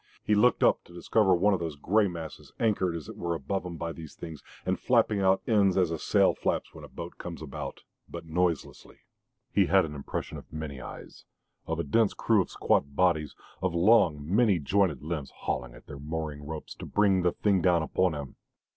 He looked up to discover one of those grey masses anchored as it were above him by these things and flapping out ends as a sail flaps when a boat comes, about but noiselessly. He had an impression of many eyes, of a dense crew of squat bodies, of long, many jointed limbs hauling at their mooring ropes to bring the thing down upon him.